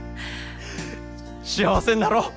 幸せになろう！